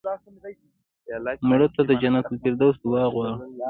مړه ته د جنت الفردوس دعا غواړو